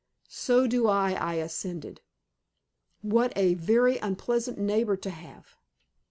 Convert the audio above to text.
"So do I," I assented. "What a very unpleasant neighbor to have!"